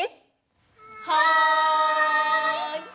はい！